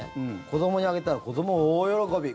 子どもにあげたら子ども大喜び。